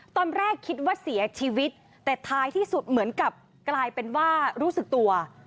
ตอนแรกคิดว่าเสียชีวิตแต่ท้ายที่สุดเหมือนกับกลายเป็นว่ารู้สึกตัว